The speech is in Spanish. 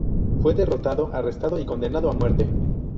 Fue derrotado, arrestado y condenado a muerte.